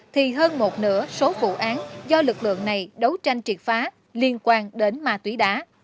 thì hơn một nửa số vụ án do lực lượng này đấu tranh triệt phá liên quan đến ma túy đá